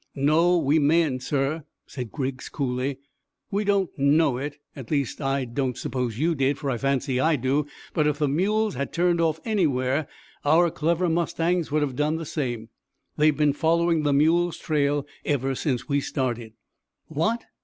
"No, we mayn't, sir," said Griggs coolly. "We don't know it at least, I don't suppose you did, for I fancy I do but if the mules had turned off anywhere our clever mustangs would have done the same. They've been following the mules' trail ever since we started." "What!